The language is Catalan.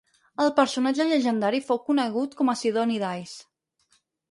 El personatge llegendari fou conegut com a Sidoni d'Ais.